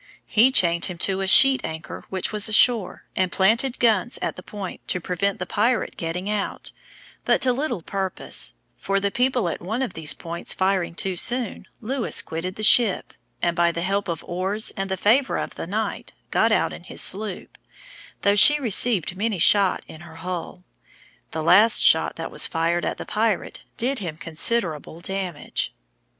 He chained him to a sheet anchor which was ashore, and planted guns at the point, to prevent the pirate getting out, but to little purpose; for the people at one of these points firing too soon, Lewis quitted the ship, and, by the help of oars and the favor of the night, got out in his sloop, though she received many shot in her hull. The last shot that was fired at the pirate did him considerable damage.